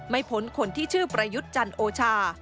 พ้นคนที่ชื่อประยุทธ์จันโอชา